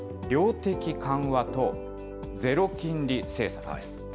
量的緩和とゼロ金利政策です。